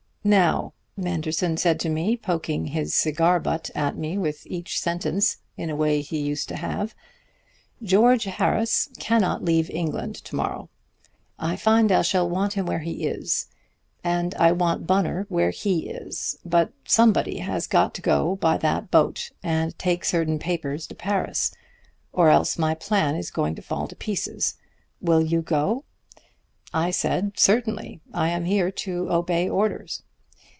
"'Now,' Manderson said to me, poking his cigar butt at me with each sentence in a way he used to have, 'George Harris cannot leave England to morrow. I find I shall want him where he is. And I want Bunner where he is. But somebody has got to go by that boat and take certain papers to Paris. Or else my plan is going to fall to pieces. Will you go?' I said, 'Certainly. I am here to obey orders.'